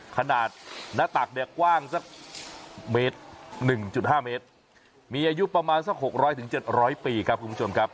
ขนาดหน้าตากแดกกว้างสักเมตรหนึ่งจุดห้าเมตรมีอายุประมาณสักหกร้อยถึงเจ็ดร้อยปีครับ